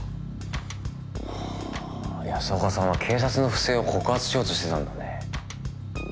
はあ安岡さんは警察の不正を告発しようとしてたんだね。